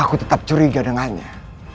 aku tetap curiga dengannya